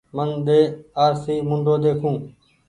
من ۮي آرسي موُڍو ۮيکون